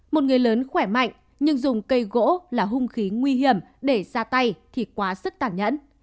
một người lớn khỏe mạnh nhưng dùng cây gỗ là hung khí nguy hiểm để ra tay thì quá sức tản nhẫn